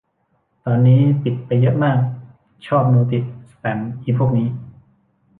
ตอนนี้ปิดไปเยอะมาก ชอบโนติสแปม อิพวกนี้